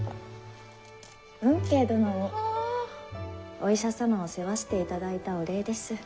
お医者様を世話していただいたお礼です。